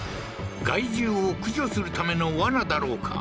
害獣を駆除するための罠だろうか？